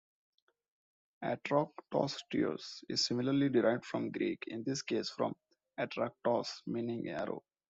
"Atractosteus" is similarly derived from Greek, in this case from "atraktos", meaning "arrow.